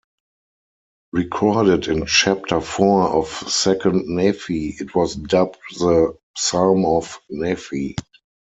Recorded in chapter four of Second Nephi, it was dubbed the "Psalm of Nephi".